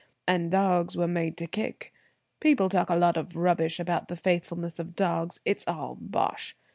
"And dogs were made to kick. People talk a lot of rubbish about the faithfulness of dogs. It's all bosh!